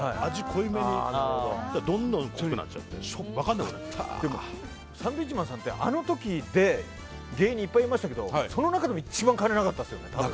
そうしたらどんどん濃くなってサンドウィッチマンさんってあの時で芸人いっぱいいましたけどその中でも一番金なかったですよね、多分。